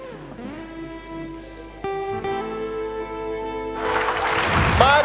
ขอบคุณมากครับ